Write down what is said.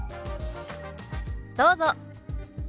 どうぞ。